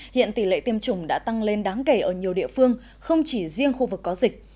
hiện tỷ lệ tiêm chủng đã tăng lên đáng kể ở nhiều địa phương không chỉ riêng khu vực có dịch